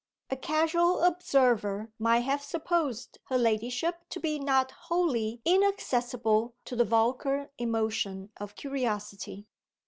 A casual observer might have supposed her ladyship to be not wholly inaccessible to the vulgar emotion of curiosity.